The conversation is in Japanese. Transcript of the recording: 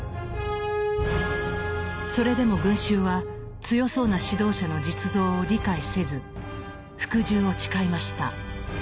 それでも群衆は強そうな指導者の実像を理解せず服従を誓いました。